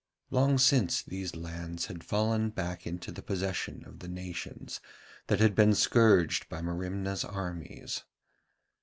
Long since these lands had fallen back into the possession of the nations that had been scourged by Merimna's armies.